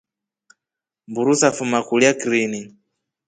Mburu safuma kulya krini.